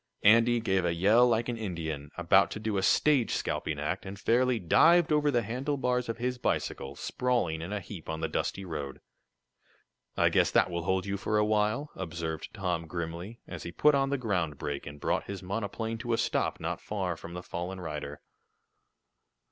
Andy gave a yell like an Indian, about to do a stage scalping act, and fairly dived over the handlebars of his bicycle, sprawling in a heap on the dusty road. "I guess that will hold you for a while," observed Tom, grimly, as he put on the ground brake and brought his monoplane to a stop not far from the fallen rider.